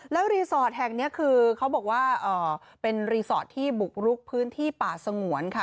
แล้วรีสอร์ทแห่งนี้คือเขาบอกว่าเป็นรีสอร์ทที่บุกรุกพื้นที่ป่าสงวนค่ะ